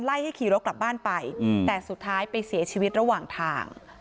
ให้ขี่รถกลับบ้านไปแต่สุดท้ายไปเสียชีวิตระหว่างทาง